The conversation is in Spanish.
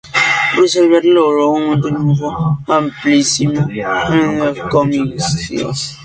Roosevelt logró un triunfo amplísimo en los comicios.